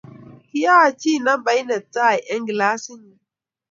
Kiachii nambait ne tai eng' kilasit nyu